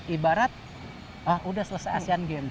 ibarat ah udah selesai asean games